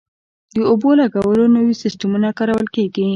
د اوبو لګولو نوي سیستمونه کارول کیږي.